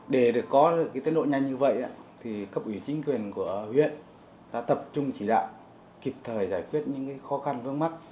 để có tế độ nhanh như vậy thì cấp ủy chính quyền của huyện đã tập trung chỉ đạo kịp thời giải quyết những khó khăn vương mắc